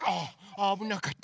ああぶなかった。